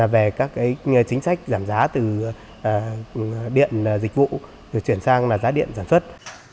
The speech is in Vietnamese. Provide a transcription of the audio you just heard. về các chính sách giảm giá từ điện dịch vụ rồi chuyển sang giá điện sản xuất